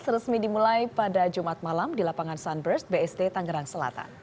resmi dimulai pada jumat malam di lapangan sunburst bst tangerang selatan